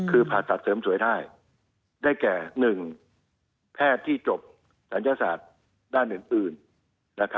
คือผ่าตัดเสริมสวยได้ได้แก่๑แพทย์ที่จบศัลยศาสตร์ด้านอื่น